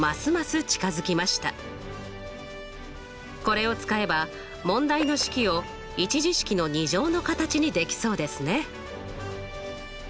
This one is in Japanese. これを使えば問題の式を１次式の２乗の形にできそうですね！